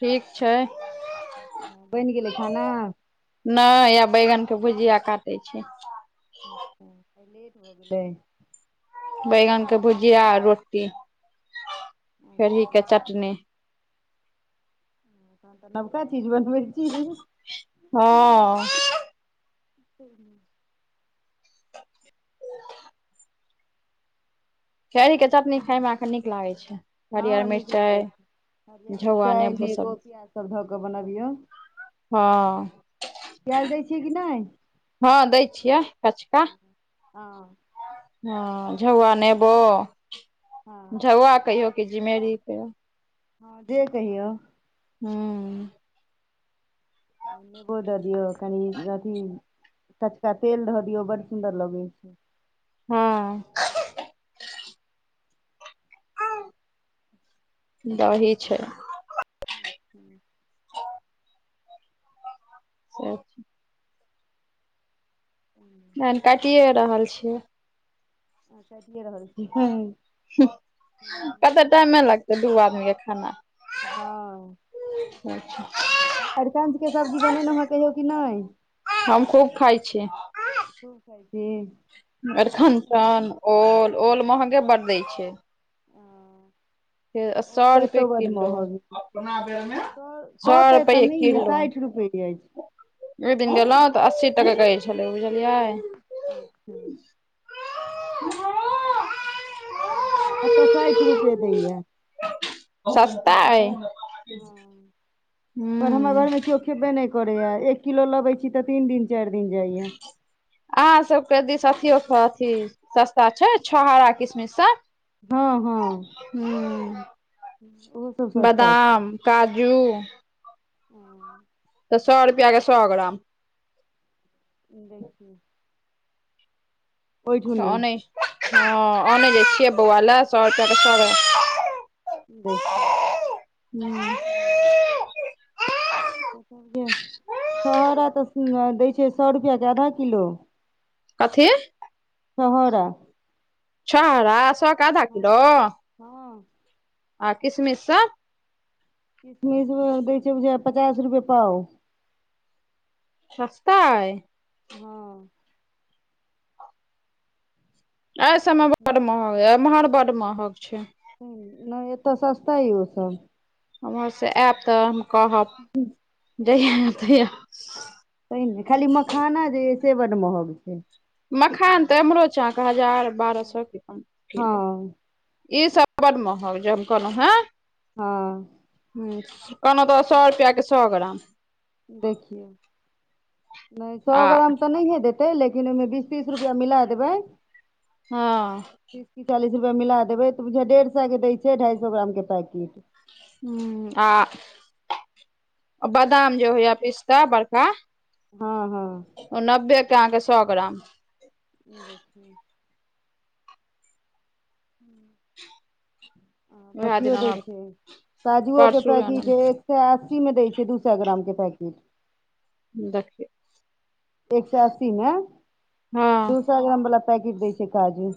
ठीक छै बैन गेलै खाना? नै हैया बैगन के भुजिया काटे छी। लेट भऽ गेलै। बैगन के भुजिया रोटी, खेरही अच्छा के तहन चटनी। तऽ नबका चीज बनबै छी। ह हँ खेरही के चटनी खाायमें अहाँकेँ नीक लागै छै, हँ हरियर नीक लगै मिरचाइ छै हरियर मिरचाई, नेबो, प्याज सब धऽ कऽ बनबियौ हँ। प्याज दै छियै कि नै? हँ दै छियै कचका। हँ हँ [unintelligible] ने बो हँ जआ कौ [unintelligible] हाँ जे कहियौ? हम्म नेबो दऽ दियौ कनि अथी कचका तेल धऽ दियौ बड़ सुंन्दर लगैत छै। ह्म्म दही छै। [inaudible] से छै। [inaudible] [unintelligible] काटिे रहल छियै। काटिए रहल छी। हुं कते टाइमे लगतै द आदमीक के खाना? हाँ अच्छा अरिकंजके सब्जी बनेेलहुँ हँ कहियौ कि नहि? हम खूब खइ छै। खूब खाये छी। अरखन ओल, ओल महंगे बड दय छै। ओ सौ ओल तऽ रुपए एतो बड किलो महग छी, अपना बेर मे सए त सौ तऽएता नहि साठ रुपआ हो जाइ छै। ओय दिन गेलहुं तऽ अस्सी टके कहै छलै बुझलियै? [unintelligible] अ [inaudible] [inaudible] अतऽ साइठि रुपए दै या। सस्ता अए। हाँ हूँ हमर घरमे कियो खेबे नहि करैए, एक किलो लबैत छी तऽ तीन दिन चारि दिन जाइए। अहाँ सबके दिश अथियो स आथि सस्ता छै, छौहारा किसमिश स? हाँ हां हूँ सब सस्ता बदाम, काजू हाँ तऽ सौ रुपया के सौ ग्राम। देखियौ। ओहिठुनी ओनैह ह ओनै जे छियै बौआ ल सौ रुपया के सौ ग्राम। देखि हूँ छोहारा तऽ दै छै सौ रुपया के आधा किलो कथि? छहोरा। छहोरा सौ के आधा हँ किलो, हँ आ किशमिश सब? किशमिश दै छै बुझाय पचास रुपए पाव। छस्ता अइ। हँ। अइ सबमे बड्ड महग एम्हर बड्ड महग छै। हूँ नइ एतऽ सस्ता अइ ओ सब। उम्हर से आएब तऽ। कहब जहिया तहिया [unintelligible] तै ने खाली मखाना जे अइ से बड्ड महग छै। मखान तऽ एम्हरो छै अहाँक हजार बारह सौ के अन किलो हँ ई सब। बड्ड महग जे हम कहलौ हेँ। हँ। हूँ कहनऊ त सौ रुपया के सौ ग्राम। देखियौ नइ सौ आ ग्राम तऽ नहिये देत। तै लेकिन ओइमे बीस तीस रुपया मिला देबै। हँ तीस चालिस रुपया मिला देबै तऽ बुझाइय डेढ़ सए के दै छै ढ़ाइ सए ग्रामके पैकिट। हूँ आ। बादाम जे होइया पिस्ता बड़का। हँ- हँ। ओ नब्बे के अहाँके सौ ग्राम। [unintelligible] उएह दिन अथियो दै अनल छै काजुओके परसू पैकिट आनल एक। सए अस्सीमे दै छै दू सए ग्राम के पैकिट। देखि। एक सए अस्सीमे हँ दू सए ग्राम वाला पैकिट दै छै काजू।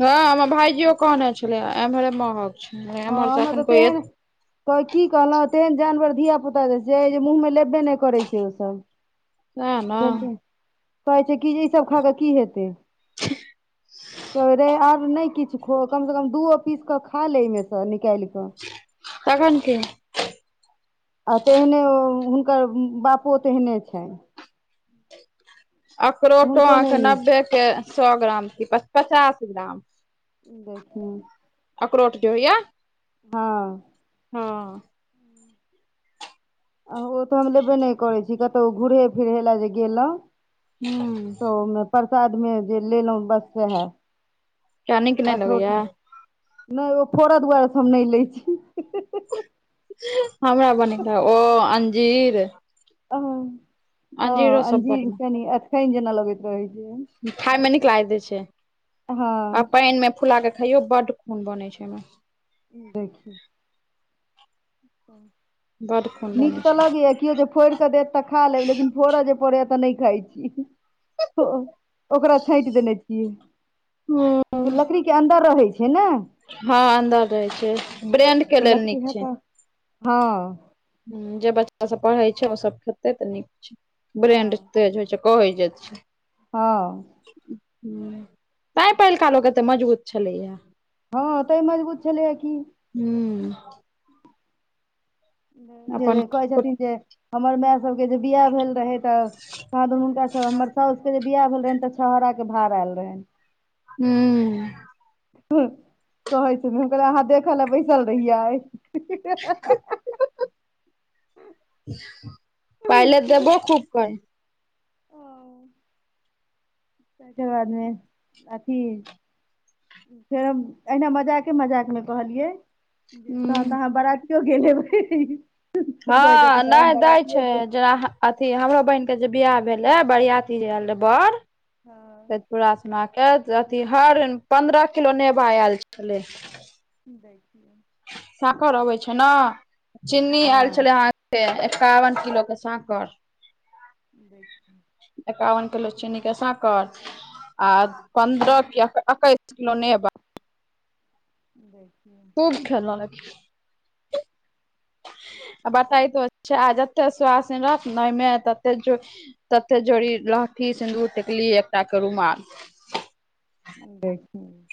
हँ हमर भाईजीयो कहने छलै एम्हरे महग। हूँ एम्हर सँ अखन कोइ एत। कहै कि कहलौ तेहन जानवर धिया पुता जे छै जे मुँहमे लेबे नइ करै छै ओ सएह ने सब बुझलियै कहै छै कि जे ई सब खा कऽ की हेतै। कहबै रे आर नै किछ खो कम से कम दूओ पीस कऽ खाले अइमेस। स निकाइल कऽ। तखन की। आ तेहने ओ हुनकर बापो तेहने छैनि। अखरोटो हुनको नहि अहाँकेँ नीक नब्बेके सौ ग्राम की प-पचास ग्राम। देखहि। अखरोट जे होइया। हँ। हँ। आ ओ त हम लेबे नहि करै छी कतौ घूुरहे फिरहे लय जे गेलौ। हूँ तऽ मे प्रसादमे जे लेलौ बस सैहे। किया नीक नहि अखरोट लगैया नइ ओ फोड़ दुआरे सँ हम नै लै छी। [unintelligible] [unintelligible] हमरा बनैहतऽ ओ अंजीर। अह हँ अंजीरो सब बड अंजीर कनि अखठाईन जेना लगैत रहै छै। खायमे नीक लागैत रहे छै आ हँ पाइनमे। फुला कऽ खइयो बड्ड खून बनै छै ओइमे। देखि। बड खून नीक बनै ता लगैया किओ जे फोड़ि का देत। ता खा लेब, लेकिन फोड़ा जे पड़ेया तऽ नहि खाइ छी। ओ-ओकरा छइंट देने छियै। छै ओ लकड़ी के अंदर रहै छै ने। हँ अंदर रहै छै, ब्रेंड के लेल नीक छै। हॅं। हू जे बच्चा सब पढ़े छै, ओ सब खेते तऽ नीक होइ छै, ब्रेंड तेज होइ छै। कहै जे छै। हं। तय पहिलका लोक एते मजबूत छलै है। हँ तैं मजबूत छलैय की। हूं। अपन जे-जे कहै ह छथिन जे, हमर माय सभके जे बियाह भेल रहै तऽ कहादन हुनका हमर साउस के जे बियाह भेल रहेनि, तऽ छोहारा के भार आयल रहेनि। हुं। कहै छथिन हम कहलिये अहाँ देखऽ लऽ बैसल रहिये। पहिले देबो खूब करै। तकर बादमे अथी। फेर हम ऐना मजाके- मजाक में कहलिये जे तहन ह तऽ आहां बरातीयों गेल हेबै। कहै हँ छथिन नै हम दै छै बरातियो गेल जेना अथी हमरो बहिन के जे बियाह भेले रहै, बरियाती जे आयल रहे बड़, हँ सोइपुरा अथी हर पंन्द्रह किलो नेबा आयल छलै हन। देखियौ सांखर अबै छै ने, चीनी आयल हँ छलै हं। से एकावन किलो के सांकर। देखे एकावन किलो चीनी के सांकर। आ पन्द्रहस किलो एक्केस किलो नेवा। देखि खूब खैलों। बटैतो छै, आ जते सोवासीन रहत न आएमें ततेक तते जोड़ी लहठी, सिन्दूर, टिकली एकटा के रूमाल। देखी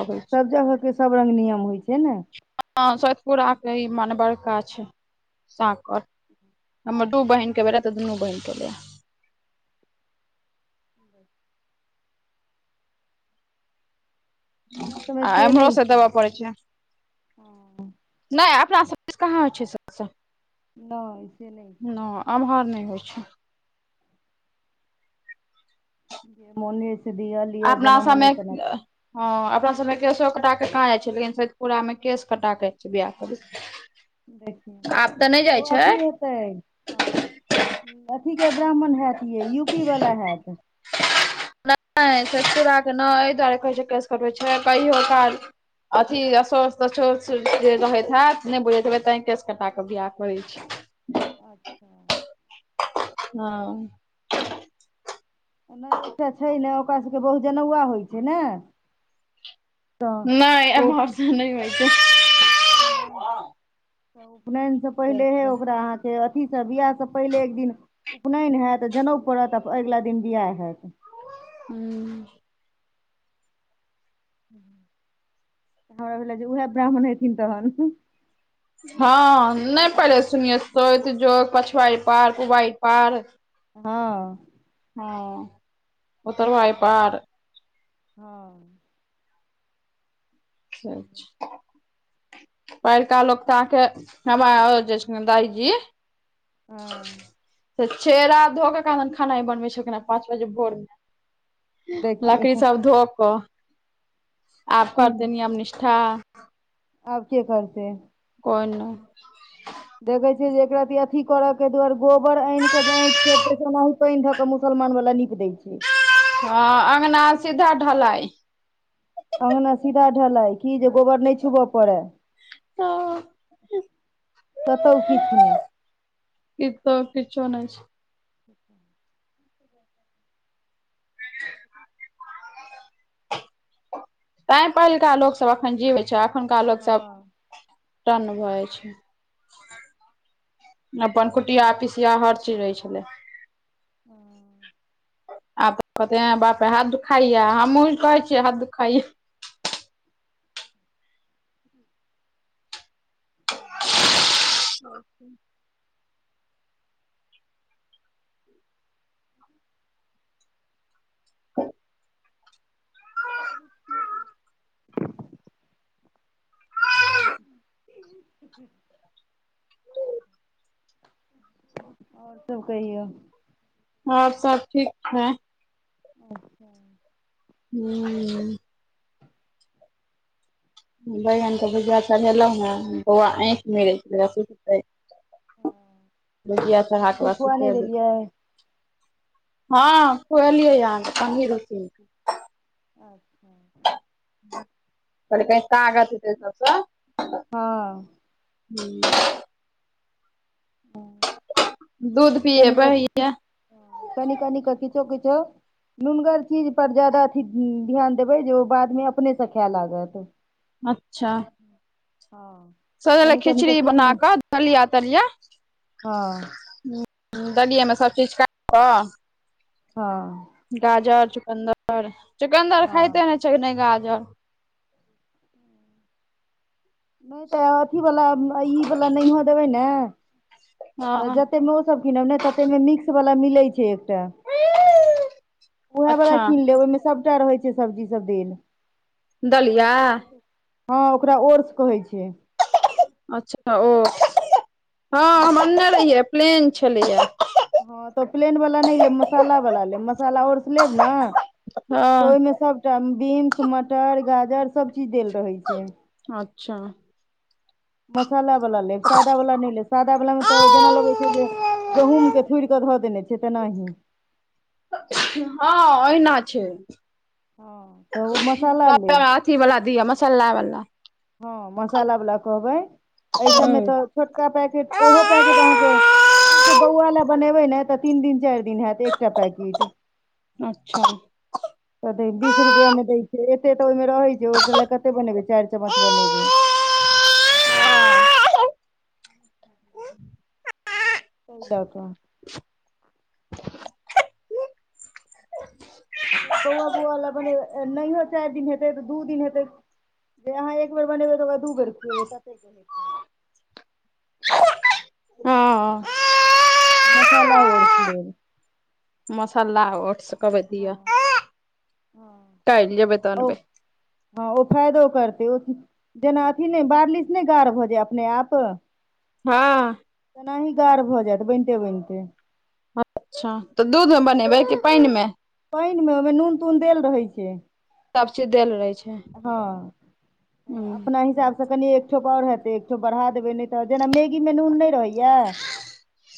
अबै छै जगहके सब रंग नियम होइ छै ने। हँ सोइतपुुराके इ बड़का छै सांकर। हमर दू बहिन के भेलै ह तऽ दुनू बहिन के एलै हे। हमरा सबमे आ से नहि एम्हरोसँ छै देबय पड़ै छै। हँ नै अपना सब दिस कहाँ होइ छै, इ नहि से नहि सब नै। आम्हर नहि होइ छै। मोनेस दीयल। अपना सबमें ह अपना सबमे केशो कटा के कहाँ जाइ छै, लेकिन सोइतपुरा में केश कटा केे जाय छै बियाह करै। आब तऽ नहि देखियौ जाइ ओ छै अथी हेतै हँ। अथीके ब्राह्मण हैत ये यूपी वाला हैत। नय चुड़ाके नय एहि दुआरे कहे छो केस कऽ छै कहियो काल। अथी अशोच तसोच जे रहैत हैत नय बुझैत हेबै ते केस कटा के बियाह करै छी अच्छा हँ नहि एकटा छै ने ओकरा सभके बहु जनौआ होइ छै ने। तऽ नहि ऐमहरसँ नहि होइ छै। ना उपनयनायसँ पहिले हे अच्छा ओकरा अहाँके अथीसँ बियाह। सभसँ पहिले एक दिन उपनयन हैत जनउ पड़त आ अगिला दिन बियाह हैत। हूँ तऽ हमरा भेल जे उएह ब्राह्मण हेथिन तहन। हँ नय पहिले सुनिये सोयत जोग जो पछुआरी पार पुवार्रीपार। हँ हँ उत्तरवारी पाड़। हँ अच्छा। पहिलका लोक ताके जेम्मदारी जी। हँ तऽ चेहरा धोकऽ के खाना बनबै छलखिन के पाँच बजे भोर मे। लकड़ी देखियौ सब धो। आ करतेय नियम निष्ठा। आब के करतेय। कोइ नहि। देखै छियै जे एकरति अथी करय के दुआरे गोबर आनि कऽ जे आइठ फेटतैत से ओना हु। पेनि धऽ के मुसलमान वला नीक दै छै हँ अगंना सीधा ढालाइ। अंगना सीधा ढलाइ कि जे गोबर नहि छुबय पड़ै। कतहु किछु नहि। ई तऽ किछु नहि छेय। [inaudible] [unintelligible] तैंय पहिलका लोकसभ अखन जीवै छै। अखुनका लोग सब हँ टन्न भऽ जाइ छै। अपन कुटिया बुझलियै पिसिया हर चीज रहै छलै। हु। आब तऽ कहते ऐ बापरे हाथ दुखाया हमहुँ कहै छियै हाथ दुखाइया। [inaudible] [inaudible] [inaudible] आओर सब कहिऔ आओर सब ठीक छै। अच्छा। हूं बैंगन के भुजाया चढ़ेलहुँ बौआ आँखि [unintelligible] सुत्तैय। बगिया कनि चढ़ा कऽ किछो बाद खुआ नहि सुते बेय। देलियै हँ कलियै यहाँके पनी रूपी मे। अच्छा क क [unintelligible] कागत हतै सब हाँ [inaudible] दूध पियए बैयए। कनी कनी क कि छो कि छो। नुनगर चीज पर जादा अथी ध्यान देबै जे ओ बादमे अपनेसँ खाय लागत। [inaudible] अच्छा हाँ [unintelligible] खिचड़ी बना कऽ दलिया तलिया। हां दलियएमे सब चीज काट कऽ हाँ गाजर, चुकन्दर, चुकन्दर हँ खाइते ने छै नहि गाजर। नहि तऽ अथीवला ई वला नहि हो देबै ने [inaudible] तऽ जतेकमे ओसभ कनौ ने तते मे मिक्सवला मिलै छै एकटा। उएह वला अच्छा कीन लेब ओहिमे सभटा रहै छै सब्जी सब देल। दलिया? हां ओकरा ओरस कहै छै। अच्छा, ओ हाँ हँ हमर ना रहियै, प्लेन छलैया। हाँ तऽ प्लेन वला नहि लेब, मसाला वालला लेब मसाला औरसँ लेब न तऽ हँ ओहिमे सभटा बिन, मटर, गाजर सभ चीज देल रहै छै। अच्छा मसाला वला लेब सादा वला नहि ले सादा बला मे हँ तऽ जेना लगै छै, जे गहुंमके थूइर कऽ धऽ देने छै तेनाही। हँ ओहिना छै। हँ तऽ ओ मसाला कता लेब रास अथी वला दिअ मसल्लाा वालला। हँ मसाला वालला कहबै, हूँ ऐसबमे तऽ छोटका पैकेट ओहो पैकेट [unintelligible] सिर्फ बौआ लए बनेबै ने तऽ तीन दिन चारि दिन हयत एकटा पैकेट। अच्छा त बीस रुपआ हँ मे दै छै, एते तऽ ओहिमे रहै छै ओ कते बनेबै चारि चमच बनैबै। च द का [unintelligible] [inaudible] [inaudible] बौआ बौआ ला बनेबे, नहियो चार दिन हेतै तऽ दू दिन हेतै। जे अहाँ एक बेर बनेबै तऽ ओकरा दू बेर खुएबै तते। मसाला ओरसले। मसाला ओटस कबै दिअ हँ कहिल जेबै तऽआनबे। हाँ ओ फायदो करते ओ जेना अथी नहि बारलिस नहि गार हो जाय अपने आप? हाँ एनाही गारढ़ भऽ जायत बनिते बनिते। अच्छा, त दूध मे बनेबै कि पानि मे? पानि मे, ओय मे नून तून देल रहै छै। सभ चीज देल रहै छै हॉं, नै हूँ अपना हिसाब कनी एकठोप और हेतै, एकठो बढ़ा देबै, नहि तऽ जेना मेगी मे नून नै रहैया। [inaudible]